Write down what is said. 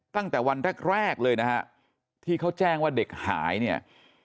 ตั้งแต่วันแรกเลยที่เขาแจ้งว่าเด็กหาย